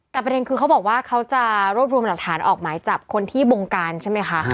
แต่ประเด็นคือเขาบอกว่าเขาจะรวบรวมหลักฐานออกหมายจับคนที่บงการใช่ไหมคะ